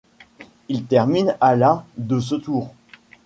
Il termine à la de ce Tour.